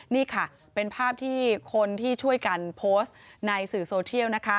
นี่ค่ะเป็นภาพที่คนที่ช่วยกันโพสต์ในสื่อโซเทียลนะคะ